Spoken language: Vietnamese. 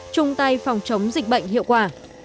chung tay phòng chống dịch bệnh hiệu quả